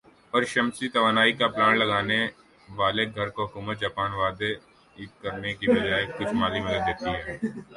اور شمسی توانائی کا پلانٹ لگا نے والے گھر کو حکومت جاپان وعدے وعید کرنے کے بجائے کچھ مالی مدد دیتی ہے